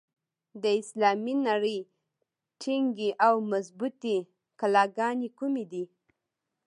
د اسلامي نړۍ ټینګې او مضبوطي کلاګانې کومي دي؟